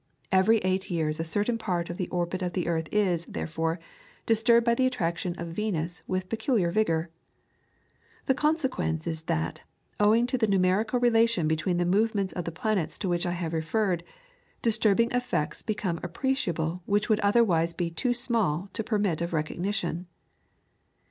Every eight years a certain part of the orbit of the earth is, therefore, disturbed by the attraction of Venus with peculiar vigour. The consequence is that, owing to the numerical relation between the movements of the planets to which I have referred, disturbing effects become appreciable which would otherwise be too small to permit of recognition.